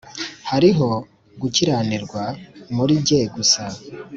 hariho gukiranirwa muri jye gusa